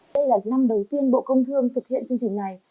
đây là năm đầu tiên bộ công thương thực hiện chương trình này